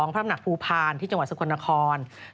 ๒พระธนาคภูพาลที่จังหวัดสคลนคร